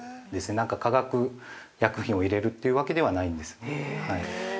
なんか化学薬品を入れるというわけではないんです。